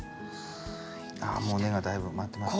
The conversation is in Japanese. ああもう根がだいぶ回ってますね。